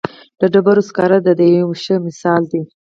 د ډبرو سکاره د دې یو ښه مثال دی.